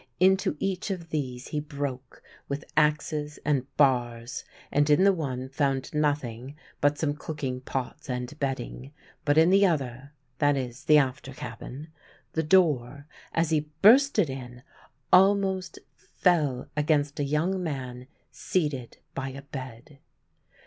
Into each of these he broke with axes and bars, and in the one found nothing but some cooking pots and bedding; but in the other that is, the after cabin the door, as he burst it in, almost fell against a young man seated by a bed.